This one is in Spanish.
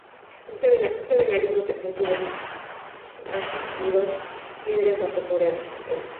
Un seminario protestante en Pionyang enseñó a futuros líderes del gobierno norcoreano.